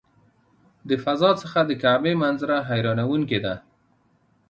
د فضا څخه د کعبې منظره حیرانوونکې ده.